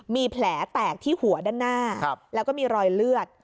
มีแผลแตกที่หัวก็มีรอยเลือด